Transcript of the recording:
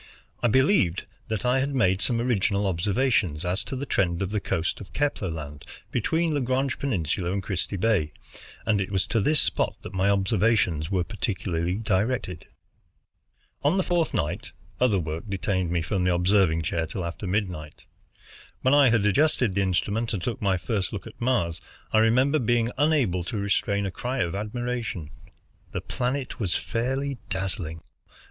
I believed that I had made some original observations as to the trend of the coast of Kepler Land between Lagrange Peninsula and Christie Bay, and it was to this spot that my observations were particularly directed. On the fourth night other work detained me from the observing chair till after midnight. When I had adjusted the instrument and took my first look at Mars, I remember being unable to restrain a cry of admiration. The planet was fairly dazzling.